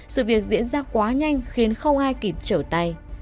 sự việc diễn ra quá nhanh khiến không ai kịp trở tay